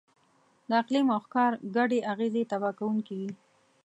د اقلیم او ښکار ګډې اغېزې تباه کوونکې وې.